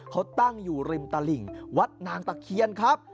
เขาตั้งอยู่ริมตลิ่งวัดนางตะเคียนครับ